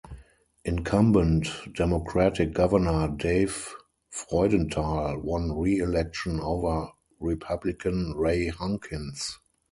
Incumbent Democratic Governor Dave Freudenthal won re-election over Republican Ray Hunkins.